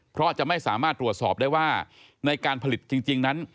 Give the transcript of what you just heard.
เพราะจะไม่สามารถตรวจสอบได้ว่าในการผลิตจริงนั้น